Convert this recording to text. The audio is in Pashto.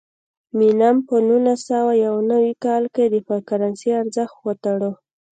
مینم په نولس سوه یو نوي کال کې د کرنسۍ ارزښت وتاړه.